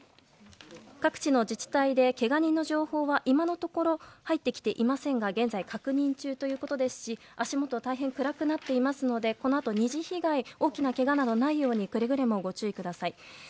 各地の自治体でけが人の情報は今のところ入ってきていませんが現在、確認中ということですし足元、大変暗くなっていますのでこのあと、二次被害大きなけがなどがないようにくれぐれもご注意ください。